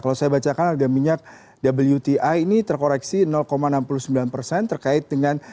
kalau saya bacakan harga minyak wti ini terkoreksi enam puluh sembilan persen terkait dengan